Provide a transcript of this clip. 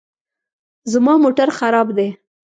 زما موټر خراب دی